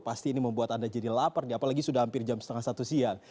pasti ini membuat anda jadi lapar apalagi sudah hampir jam setengah satu siang